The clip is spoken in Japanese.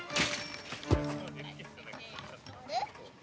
あれ？